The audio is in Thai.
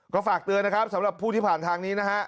ก็ฝากเตือนนะครับสำหรับผู้ที่ผ่านทางนี้นะฮะ